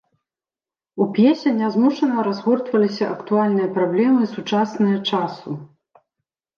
У п'есе нязмушана разгортваліся актуальныя праблемы, сучасныя часу.